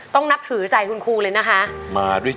นับถือใจคุณครูเลยนะคะ